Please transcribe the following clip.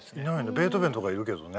ベートーベンとかいるけどね。